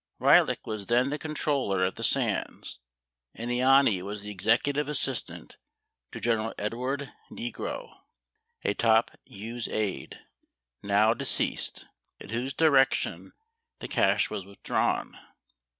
11 Ryhlick was then the controller at the Sands, and lanni was the executive assistant to Gen. Edward Nigro, a top Hughes aide (now deceased) at whose direction the cash was withdrawn.